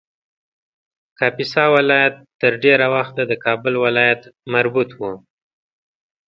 کاپیسا ولایت تر ډېر وخته د کابل ولایت مربوط و